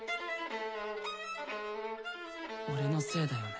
俺のせいだよね。